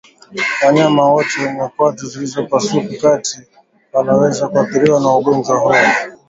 Wanyama wote wenye kwato zilizopasuka kati wanaweza kuathiriwa na ugonjwa huu